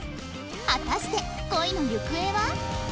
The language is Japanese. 果たして恋の行方は？